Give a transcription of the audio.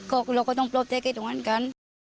เราก็ต้องปกติกันตรงนั้นกัน